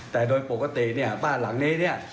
แต่โดยปกติเนี่ยบ้านหลังนี้เนี่ย